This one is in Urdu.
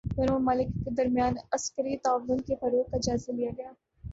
دونوں ممالک کے درمیان عسکری تعاون کے فروغ کا جائزہ لیا گیا